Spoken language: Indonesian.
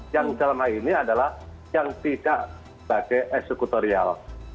yang selama ini adalah yang tidak sebagai eksekutorial